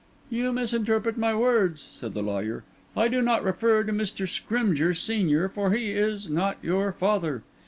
"You misinterpret my words," said the lawyer. "I do not refer to Mr. Scrymgeour, senior; for he is not your father.